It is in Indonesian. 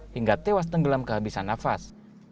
hingga tewas tenggelam kehabisan nafas